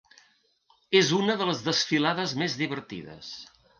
És una de les desfilades més divertides.